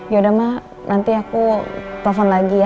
ya udah ma nanti aku telepon lagi ya